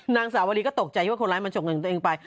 นางสาวรีก็ตกใจว่าคนร้ายมันฉกเงินตัวเองไป